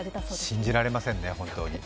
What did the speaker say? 信じられませんね、本当に。